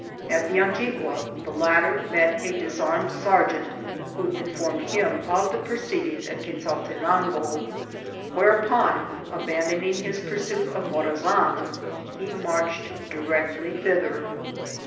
At the Antigua the latter met a dis armed sergeant, who informed him of the proceedings at Quezaltenango, whereupon, abandoning his pursuit of Morazan, he marched directly thither.